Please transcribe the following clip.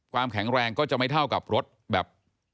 ความแข็งแรงก็จะไม่เท่ากับรถแบบ